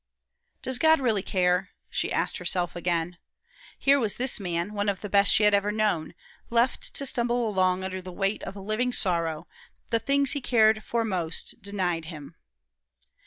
"Does God really care?" she asked herself again. Here was this man, one of the best she had ever known, left to stumble along under the weight of a living sorrow, the things he cared for most, denied him.